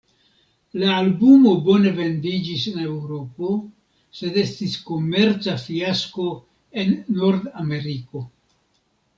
La albumo bone vendiĝis en Eŭropo sed estis komerca fiasko en Nord-Ameriko.